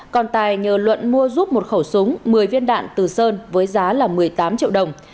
còn tài nhờ luận mua giúp một khẩu súng một mươi viên đạn từ sơn với giá là một mươi tám triệu đồng